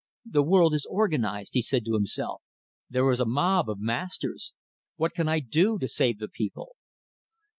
"The world is organized!" he said, to himself. "There is a mob of masters! What can I do to save the people?"